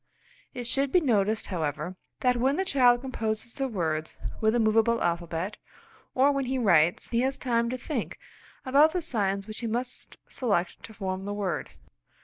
It should be noticed, however, that when the child composes the words with the movable alphabet, or when he writes, he has time to think about the signs which he must select to form the word.